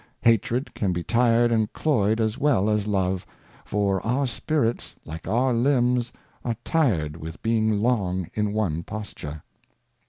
Hatred can be tired and cloyed as well as Love : for our Spirits, like our Limbs, are tired with being long in one Posture.